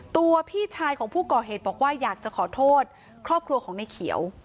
ตัวพี่ชายของผู้ก่อเหตุบอกว่าอยากจะขอโทษครอบครัวของในเขียว